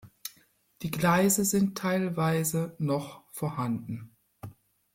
Die Gleise sind teilweise noch vorhanden.